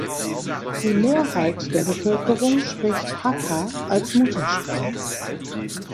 Die Mehrheit der Bevölkerung spricht Hakka als Muttersprache.